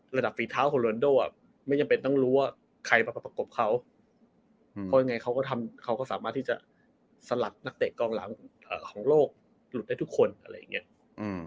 ฝีเท้าของโรนโดอ่ะไม่จำเป็นต้องรู้ว่าใครมาประกบเขาเพราะยังไงเขาก็ทำเขาก็สามารถที่จะสลัดนักเตะกองหลังของโลกหลุดได้ทุกคนอะไรอย่างเงี้ยอืม